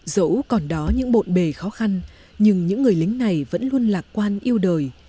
dẫu còn đó những bộn bề khó khăn nhưng những người lính này vẫn luôn lạc quan yêu đời